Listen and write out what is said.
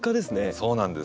そうなんです。